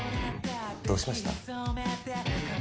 どうしました？